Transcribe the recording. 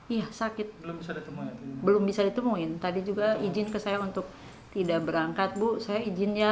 iya sakit belum bisa ditemuin tadi juga izin ke saya untuk tidak berangkat bu saya izin ya